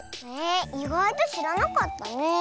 いがいとしらなかったねえ。